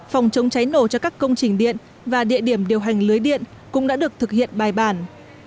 phòng chống cháy nổ cho các công trình điện và địa điểm điều hành lưới điện cũng đã được thực hiện bài bản